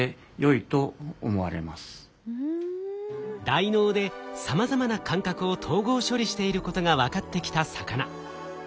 大脳でさまざまな感覚を統合処理していることが分かってきた魚。